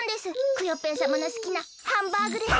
クヨッペンさまのすきなハンバーグです。